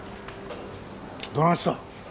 どないしたん？